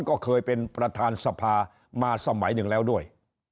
ก็เคยเป็นประธานสภามาสมัยหนึ่งแล้วด้วย